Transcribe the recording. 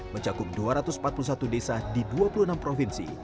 mencakup dua ratus empat puluh satu desa di dua puluh enam provinsi